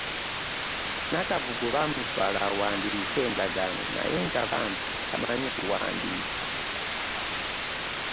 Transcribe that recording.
Nakabugo baamutwala awandiike endagaano naye nga bambi tamanyi kuwandiika.